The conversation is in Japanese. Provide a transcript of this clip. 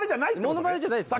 モノマネじゃないです